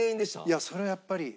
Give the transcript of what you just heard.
いやそれはやっぱり。